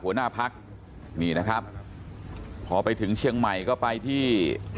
หัวหน้าพักนี่นะครับพอไปถึงเชียงใหม่ก็ไปที่